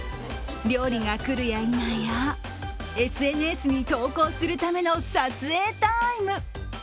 料理が来るやいなやＳＮＳに投稿するための撮影タイム。